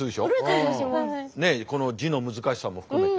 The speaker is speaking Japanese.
この字の難しさも含めて。